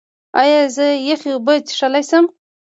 ایا زه یخې اوبه څښلی شم؟